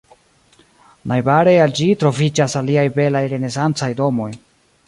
Najbare al ĝi troviĝas aliaj belaj renesancaj domoj.